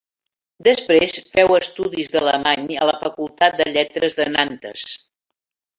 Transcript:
Després féu estudis d'alemany a la Facultat de Lletres de Nantes.